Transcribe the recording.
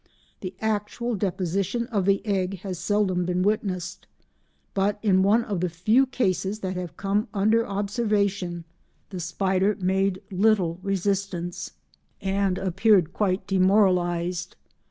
The actual deposition of the egg has seldom been witnessed, but in one of the few cases that have come under observation the spider made little resistance and appeared quite demoralised.